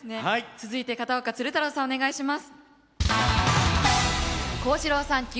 続いて片岡鶴太郎さんお願いします。